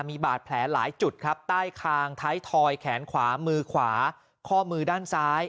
มีบาดแผลหลายจุดครับใต้คางท้ายทอยแขนขวามือขวาข้อมือด้านซ้าย